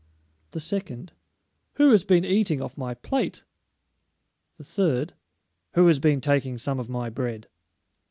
The second, "Who has been eating off my plate?" The third, "Who has been taking some of my bread?"